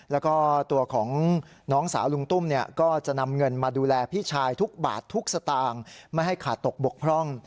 แล้วก็ตัวของน้องสาวลุงตุ้มเนี่ยก็จะนำเงินมาดูแลพี่ชายทุกบาททุกสตางค์ไม่ให้ขาดตกบกพร่อง